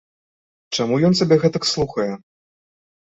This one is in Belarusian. Чаму ён цябе гэтак слухае?